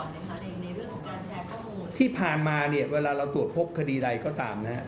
บ๊วยบริษัทที่ผ่านมาเวลาเราตรวจพบคดีใดก็ตามนะครับ